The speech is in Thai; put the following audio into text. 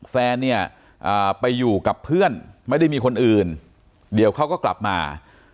แฟนเนี่ยไปอยู่กับเพื่อนไม่ได้มีคนอื่นเดี๋ยวเขาก็กลับมา